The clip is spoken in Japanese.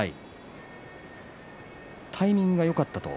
タイミングがよかったと。